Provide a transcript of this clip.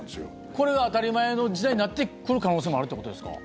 これが当たり前の時代になってくる可能性もあるってことですか。